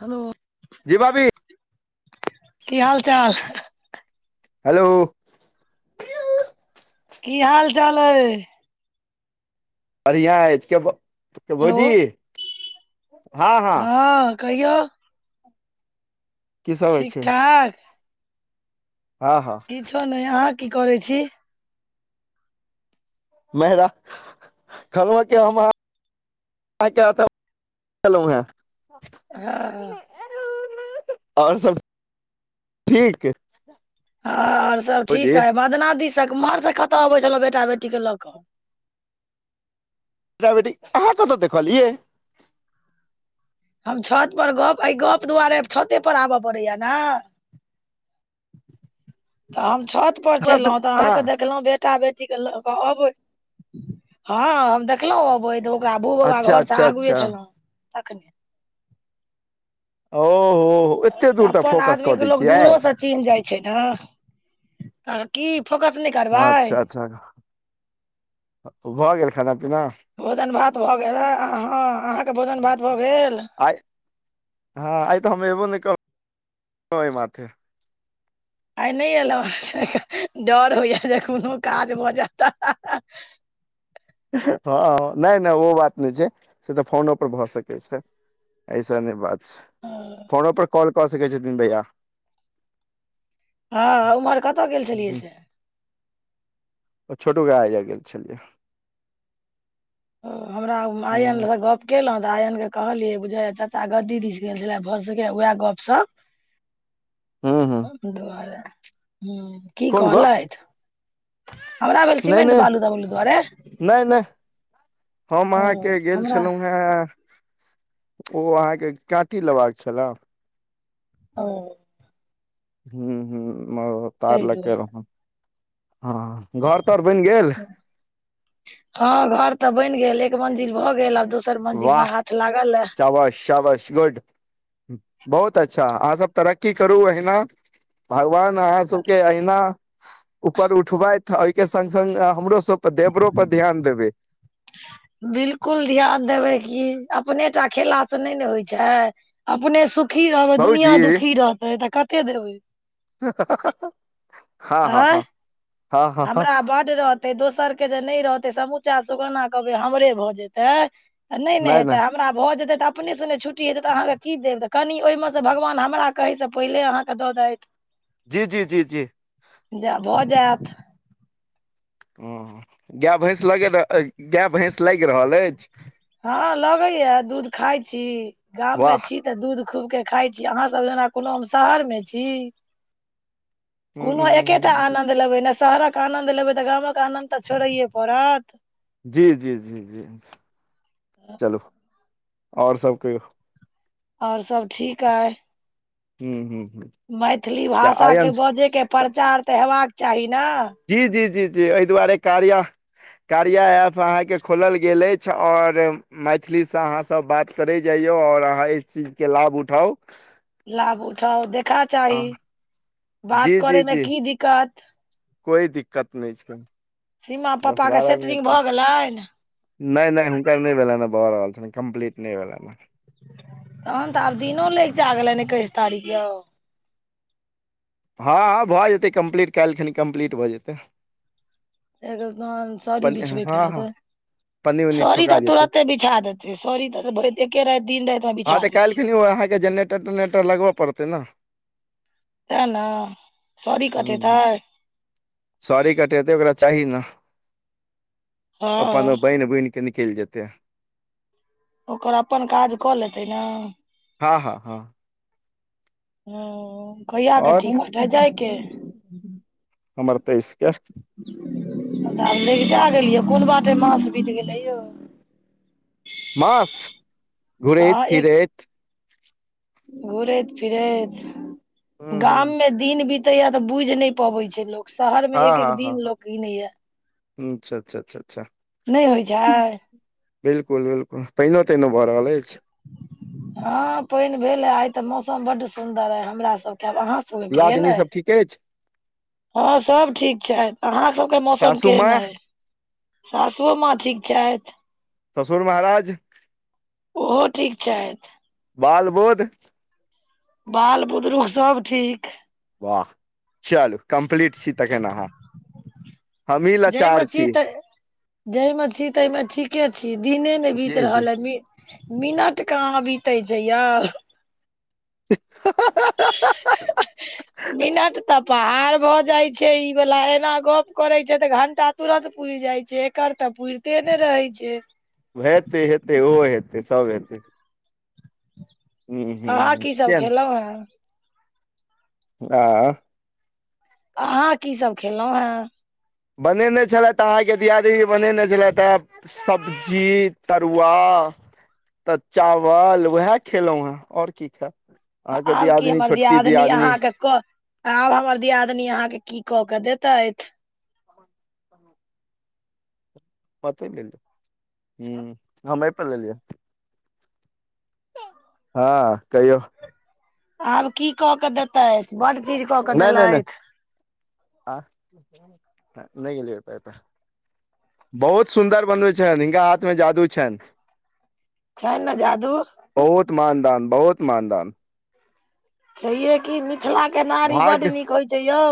हलो। जी भाभी। की हाल-चाल? हेलो। की हाल-चाल अइ? बढ़ियां अइछ के भौ हेलो भौजी? हँ कहियौ। की सब होइ छै ठीक-ठाक। हँ हँ। किछो नैय आहाँ की करै छी? मे ह रा कहलौं हैं की हम अहाँ [inaudible] आइ के ओतऽ [inaudible] छेलौं हैं। हअ। और सब ठीक? हँ और सब भौजी ठीक अइ बदना दीसँक उम्हरसँ कतऽ अबै छेलौं बेटा-बेटी के लऽ कऽ? टा-बेटी अहाँ कतऽ देखलियै? हम छत पर गप अय गप दुआरे छते पर आबऽ पड़ैया न। तऽ हम छत पर हमरा छेलौं सब तऽ अहाँके कहाँ देखलौं बेटा बे टी के लऽ कऽ अबै हँ हम देखलौं अबैत ओ ओकरा भू बाबा अच्छा घर स अच्छा आगुए अच्छा छलौं तखने। ओ हो हो एत्ते दूर तक फोकस कऽ दैय छियै। चीन्ह जाइ छै नह। तऽ की फोकस नै करबै। जह [inaudible] भऽ गेल खाना पिना? भोजन भात भऽ गेल ए अहाँ - अहाँक भोजन भात भऽ गेल? आइ हँ आइ तऽ हम एबो नै क [unintelligible] ओइ माथे। आइ नै एलहु डर होइये जे कोनो काज भऽ जाय तऽ। हँ हॅं नै नै ओ बात नै छै से त फोनो पर भऽ सकै छै। ऐसने बात छै फोनो पर कॉल कऽ सकै छथिन भैया। हँ ओमहर कतऽ गेल छलियै से? आ छोटू भैया एजा गेल छलियै। ओ हमरा ह आयन से गप केलहु तऽ आयन के कहलियै बुझाइये चचा ग दीदी गेल छले। भऽ सकैये उएह गप- सप ह ह करतै दुवारे हूं। की कोन गप कहलथि हमरा भेल नहि सीमेंट नहि बालू तबलू [unintelligible] दुवारे। नहि नहि हम अहाँके गेल हमरा छलहुँ हें ओ अहाँके काँटी लेबाक छलेए। ओं हूॅं हूॅं तार ताहि लऽ कऽ दुआरे एलौं हें। हँ घर तर बनि गेल? हँ घर तऽ बनि गेल एक मंजिल भऽ गेल आब दोसर मंजिल मे हाथ लागल ए। अवश्य अवश्य गुड बहुत अच्छा अहाँ सब तरक्की करू अहिना। भगवान अहाँ सबके अहिना उपर उठबथि आ ओइके संग - संग हमरो सब पर देबरो पर ध्यान देबै। बिलकुल ध्यान देबै की अपने टा खेला से नै ने होइ छै। अपने सुखी रहबै बाबूजी दुनिया दुखी रहतै तऽ कते देबै। हँ हँ आँय हँ। हँ हँ हँ हमरा बड्ड रहत दोसर के जे नै रहतै समूचा सुगौना कहबै हमरे भऽ जेतै त नै ने नहि नहि हेतै आब हमरा भऽ जेतै त अपने से नै छुट्टी हेतै त अहांके की देब त कनी ओइ म से भगवान हमरा कहै से पहिले अहाँके दऽ दाइथ। जी जी जी जी। जॅं भऽ जायत हॅं गाय भैंस लगे मे अइ गाय भैंस लागि रहल अइछ? हँ लगैये दूध खाय छी गाम में वाह छी त दूध खूब के खाय छी अहाँ सब जेना कोनो हम शहर में छी। कोनो एकेटा ह आनन्द लेबै ने शहरक आनन्द लेबै तऽ गामक आनन्द तऽ छोड़ैये पड़त। जी जी जी जी चलू ह आओर सब कहियौ। और सब ठीक अइ। हूॅं हूॅं हूॅं। मैथिली भाषाके बजय के प्रचार तऽ हेबाक चाही नऽ। जी जी जी जी अइ दुआरे कार्या कार्या ऐप अहाँके खोलल गेल अइछ आओर मैथिली सँ अहाँ सब बात करय जाइ जाउ आओर अहाँ एहि चीज के लाभ उठाउ। लाभ उठाउ देखा आ चाही जी बात जी करेमे जी की दिक्कत। कोइ दिक्कत नहि छै। सीमा दस पप्पाके बारह सेटरिंग मिनट भऽ गेलनि। नहि नहि हुनकर नहि भेलनि हैं भऽ रहल छनि कम्प्लीट नहि भेलनि हैं। तहन तऽ आब दिनो लैकचिया गेलैनि एकैस तारीख यौ। हँ हँ भऽ जेतै कम्प्लीट काल्हिखिन कम्प्लीट भऽ जेतै। एगो तहन सॅरी पन्नी हँ बिछबैके हँ रहतै। पन्नी उन्नी सॅड़ी ठोका तऽ जेतै तुरते बिछा देते सॅड़ी तऽ भैर एके राति दिन राति में बिछा देते। काल्हिखिन ओ अहाँके जेनेरटर तेनेटर लगबऽ पड़तै ने। त ने सॅरी कटेतैय। सॅरी कटेतै ओकरा चाही ने। हँ अपन बाहिन बुहिन क निकलि जेतै। ओकर अपन काज कऽ लेतै ने। हँ हँ हँ। हुं। और [unintelligible] हमर तेइसके। तब लगीचा गेलियौ कोन बाटे मास बीत गेलै यौ। मास आ घुरैत फिरैत घुरैत फिरैत ह ह गाममे दिन बीते या तऽ बुझि न पवे छै लोक शहर में हँ एक एक हँ हँ दिन हँ लोक कीने ये। अच्छा अच्छा अच्छा अच्छा। नहि होइ छै बिलकुल बिलकुल पाइनो ताइनो भऽ रहल अछि। हँ पाइनि भेल आ आइ तऽ मौसम बड्ड सुन्दर अइ हमरा सभके आब अहाँ सबके दियादनी केहन अइ सब ठीके अछि। हँ सब ठीक छैथ। अहाँ सबके मौसम सासू केहन माँ अइ? सासुओ माँ ठीक छथि। ससुर महाराज। ओहो ठीक छथि। बाल बोध। बाल बुदरुक सब ठीक। वाह चलू कमप्लीट छी तखन अहाँ हमही लाचार छी। जई मे छी तहिमे ठीके छी दिने नहि बीत जी जी रहल ए मि मिनट कहाँ बितै छय यौ। [unintelligible] [inaudible] मिनट तऽ पहाड़ भऽ जाइत छै ई वला एना गप करै छै त घंटा तुरत पूर जाइ छै एकर तऽ पूरते ने रहै छय। वै हते हेतै ओहो हेतै सब हेतै। हूँ अहाँ हूँ की सब किया नहि खेलहुॅं हें? आ। अहाँ की सब खेलहुॅं हेँ? बनेने छलथि अहाँके दियादनी बनेने छलथि है। सब्जी तरुआ तऽ चावल उहा खेलहुॅं हें और की खैब। आब की हमर दियादनी अहाँके क आब हमर दियादनी अहाँके की कऽ कऽ देतैथ पते गेलद हू हम अए पर लेलियै हँ कहियौ आब की कऽ क देतैथ बड चीज कऽ क नहि नहि नहि देलथि आ ह नहि एलैय पाइ अए पर बहुत सुन्दर बनबै छैन हिनका हाथमे जादू छैन छैन नऽ जादू बहुत मानदान बहुत मानदान छहिये की नी भाग्य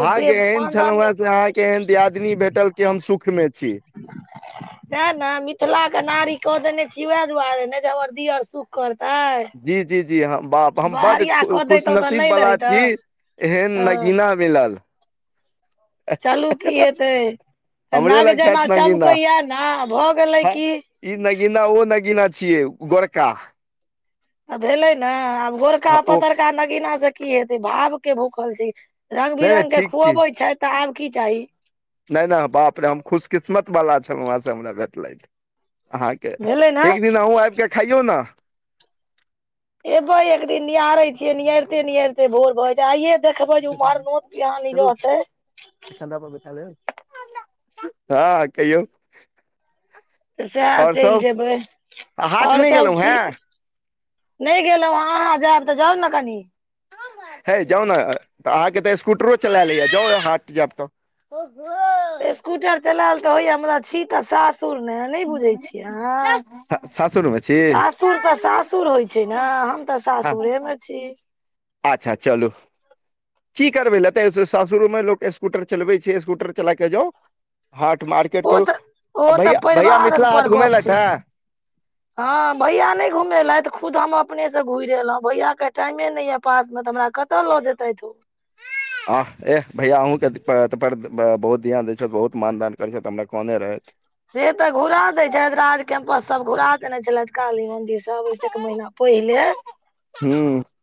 भाग्य देव एहन मानधन छलौ हे से अहाँके एहन दियादनी भेटल तेऽ हम सुखमे छी [unintelligible] तै नऽ मिथिलाक नारी कऽ देने छी वैह दुआरे ने जे हमर दियौर सुख करतै जी जी जी ह बाप हम बड बहरिया खु कऽ खुश दैतहुँ तऽ नसीब नहि ने वाला होइतै छी एहन हँ नगीना मिलल चलू की हेतै हमरे नग लग जेना छथि नगीना चमकैया ने भऽ गेलै ह की ई नगीना ओ नगीना छियै गोरका भेलै ने आब गोरका हँ ओ पतरका नगीना सऽ की हेतै भाव के भूखल छै नहि नहि रंग-बिरंग के ठीक छी खुअबै छैथ तऽ आब की चाही नहि नहि बाप रे हम खुशकिस्मतबला छलु है से हमरा भेटलथि अहाँके भेलै ने एक दिन अहु आबिक खइयौ नऽ एबै एक दिन नियारै छियै नियाइरते नियाइरते भोर भऽ जा आइये देखबै जे उमहर नोत-पिहानी रहतै चन्दा पर बैसा लेब [inaudible] तँ कहियौ सेह आओर चलि सब जेबै हाट और नहि सब गेलहुँ हेँ ठीक नहि गेलौ अहाँ जैब तऽ जाउ ने कनि हए जाउ ने तऽ अहाँके तऽ स्कूटरो चलैल होए यै जाउ ओए हाट जैब तऽ ओ हो चलैल तऽ होइया मुदा छी त सासु तुर में नहि बुझै छियै अहाँ सासुरमे छी सासुर तऽ सासुर होइ छै ने हम तऽ। हँ सासुरेमे छी आच्छा चलू की करबै लेते सासुरो में लोक स्कूटर चलबे छै स्कूटर चला के जाउ। हाट मार्केट ओ करू तऽ ओ आ तऽ भैया भैया परिवार मिथिला हाट पर गप घुमेलैथ छै हे। ने हँ भैया नहि घुमेलथि खुद हम अपनेसँ घुरि एलौ भैयाके टाइमे नहि यै। पास मे तऽ हमरा कतऽ लऽ जेतैथ ओ। आह एह भैया अहूँके पर प पर ब बहुत ध्यान दै छथि बहुत मानदान करैत छथि हमरा कहने रहैथ। से तऽ घुरा देय छैथ राज कैंपस सब घुरा देने छलेथि काली मंन्दिर त अबैस एक महिना पहिले हूँ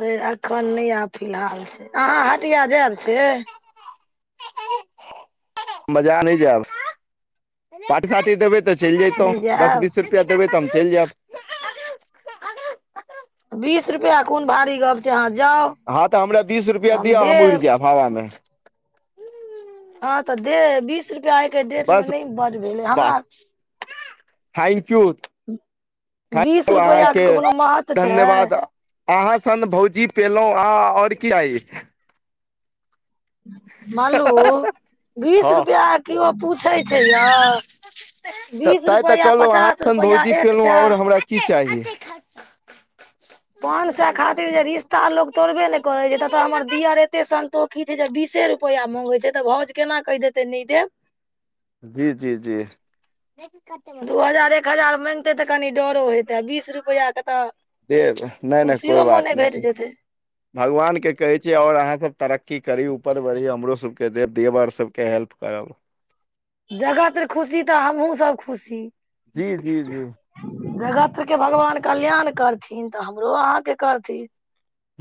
बेर एखन नहि आब फिलहाल से अहाँ हटिया जैब से बजार नहि जैब पाटी-साटी देबै। तऽ चलि जेतौ नहि दस जायब बीस रुपआ देबे तऽ हम चलि जैब। बीस रुपैआ कोन भारी गप्प छै अहाँ जाउ। हँ तऽ हमरा बीस तऽ रुपैया दिअ हम उड़ि देब जैब हवामे हँ तऽ दे बीस रुपैआ आइके डेट बस मे नहि बड भेलै वाह हमरा [unintelligible] थैंक यू थैंक बीस यू रुपैआ के अहाँके क कोनो महत्व छै। धन्यवाद अहाँ सन भौजी पेलहु आ ओर की ची मलू बीस हँ रुपैआ कओ पूछै छै यौ। बीस तैँ तऽ रुपैआ कहलहुँ अहाँ पचास सन रुपआ भौजी एक से पेलहुँ आओर हमरा की चाही? [unintelligible] पान साए खातिर जे रिश्ता लोग तोड़बे ने करै छै ततऽ हमर दियर एते संन्तोष अ की छै जे बीसे रुपैआ मंगै छै तऽ भावज केना कहि देतै नहि देब। जी-जी-जी देखच [unintelligible] दू हजार एक हजार माँगतै तऽ कनि डरो हेतै बीस रुपैआके तऽ। दे दऽ नहि नहि खुशियो कोइ बात मोने नहि भेट छै। जेतै भगवान के कहे छ और अहाँ सब तरक्की करी ऊपर बढ़ी हमरो सबके दे देव आर सब के हेल्प करल। जगत खुशी तऽ हमहूँ सब खुशी। जी-जी-जी जगत के भगवान कल्याण करथिन तऽ हमरो अहाँके करथिन।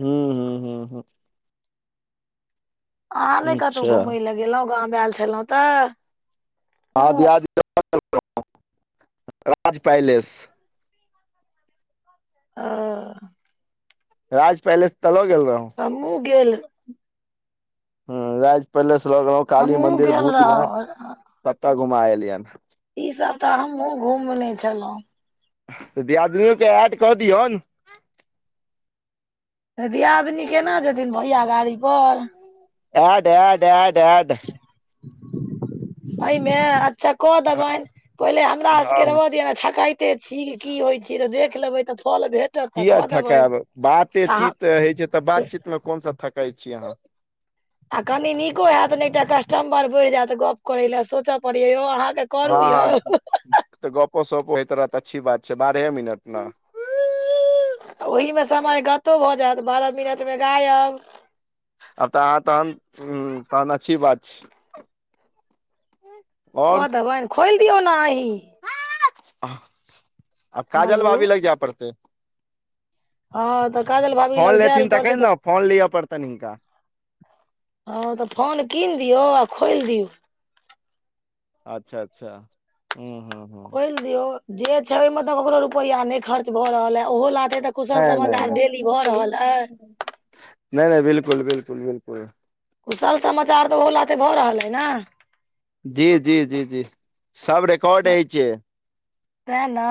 हू-हू-हू-ह अहाँ ने कतहु अच्छा घूमय लए गेलहुँ गाँवमे आयल छलहुँ तऽ? हँ दि [unintelligible] राज पैलेस आ राज पैलस तलो गेल रहं। हमहुँ गेल। ह राज पैलेस लऽ गेलहुँ काली हमहुँ मन्दिर गेल भूत नट रहौ सबटा घुमा एलियैन। ई सब तऽ हमहुँ घुमने छलहुँं। दि आदमियओे ऐड कऽ दियह ने दियादनी केना जेथिन भढ़आ गाड़ी पर ए दे दे दे दे [unintelligible] [unintelligible] भइ मै आ चको देबनि पहिले हमरा सबके हँ रहो दिय ठकै कते छी की होइ छीय तऽ देख लेबै तऽ फल भे किया थकायब बाते चीत होइ छै तऽ बातचीत मे कोनस थकाय छीय अहाँ। आ कनी नीको हैत ने एकटा कस्टमर बढ़ियत गप्प करय लेलए सोचय पड़ैए यौ अहाँकेँ करू यौ हँ-हँ-हँ-हँ त गपो सपो होयत रहत अच्छी बात छै बारहे मिनट न ओहिमे समय गतो भ जायत बारह मिनटमे गायब। आब त अहाँ तहन तहन अच्छी बात छै [unintelligible] कऽ और देबन खोलि दियौ ने अहीँ। आब काजल मल्लू भाभी लगि जाय पड़तै। हँ तऽ काजल भाभी फोन लग जे लेथिन ल तखन पड़तै तऽ ने फोन लिअ पड़तै हिंंनका हँ तऽ फोन कीन दियौ आ खोलि दियौ। अच्छा अच्छा हु हु खोलि दियौ जै छै मतलब केकरो रूपेया नहि खर्च भ रहले ओहो लाते तऽ कुशल समाचार डेली भऽ रहल अइ नहि-नहि-नहि-नहि, बिलकुल-बिलकुल-बिलकुल कुशल समाचार तऽ ओहो लाते भऽ रहल अइ ने। जी-जी-जी-जी सब र कोट से हो छै। तेँ ने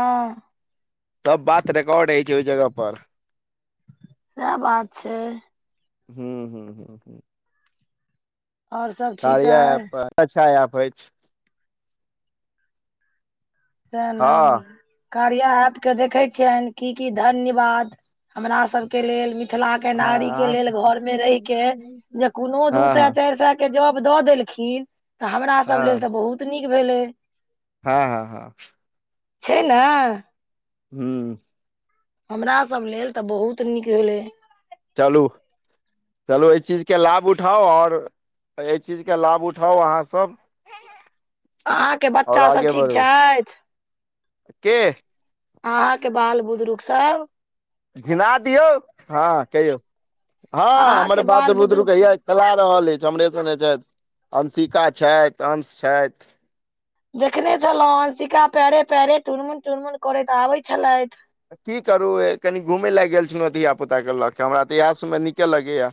सब बात रिकॉर्ड हय छै ओहि जगह पर सएह बात छै। हूँ-हू-हू-हू आओर सब ठीक कारया अइ एप अच्छा एऐप अछि। के नाम हँ [unintelligible] कार्य एऐप के देखे छियनि की की धन्यवाद हमरा सब के लेल मिथिला के हँ नारी के हँ लेल घर मे रहि के जे कोनो दू सए हँ चार स के जॉब दऽ देलखिन तऽ हमरा सब लेल तऽ बहुत नीक भेलै। हँ-हँ-हँ। छै ने। हू हमरासभ लेल तऽ बहुत नीक भेलै। चलू चलू एहि चीजके लाभ उठाउ आओर, एहि चीजके लाभ उठाउ अहाँसभ अहाँके बच्चासभ आगे ठीक बढ़ू छथि? के अहाँके बाल बुदरूक सब? गिना दियौ हँ कहियौ? हँ हमर अहाँके बात बाल बुदरुक हैया खेला रहल अछि। हमरे सगे जैत अंसिका छथि अंश छथि। देखने छलहुँं अंसिका पैरे पैरे टुनमुन टुनमुन करैत आबै छलथि। की करू कनि घूमय लए गेल छलहुँ धिय पुताके लऽ कऽ हमरा तऽ इएह सब में नीके लगैए।